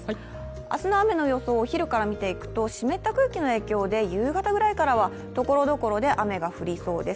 明日の雨の予想をお昼から見ていくと、湿った空気の影響で夕方ぐらいからはところどころで雨が降りそうです。